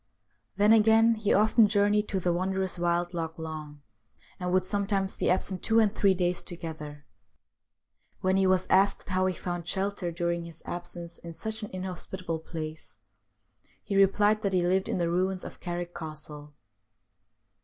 Then again he often journeyed to the wondrous wild Loch Long, and would sometimes be absent two and three days together. When he was asked how he found shelter during his absence in such an inhospitable place, he replied that he lived in the ruins of Carrick Castle.